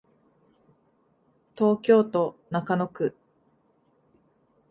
東京都中野区